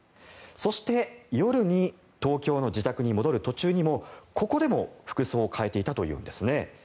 そして夜に、東京の自宅に戻る途中にここでも服装を変えていたというんですね。